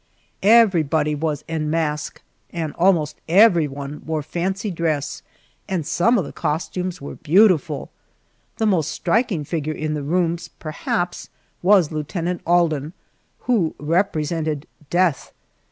Everybody was en masque and almost everyone wore fancy dress and some of the costumes were beautiful. The most striking figure in the rooms, perhaps, was Lieutenant Alden, who represented Death!